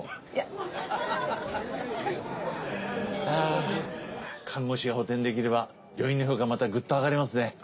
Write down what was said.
あ看護師が補填できれば病院の評価またグッと上がりますね。